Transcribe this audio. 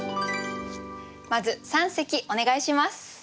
まず三席お願いします。